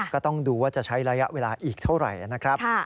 ก็ต้องดูว่าจะใช้ระยะเวลาอีกเท่าไหร่นะครับ